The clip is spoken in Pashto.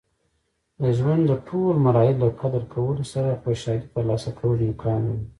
د ژوند د ټول مراحل له قدر کولو سره خوشحالي ترلاسه کول امکان لري.